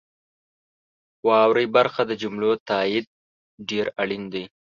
واورئ برخه د جملو تایید ډیر اړین دی.